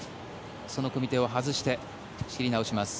その組み手を外して仕切り直します。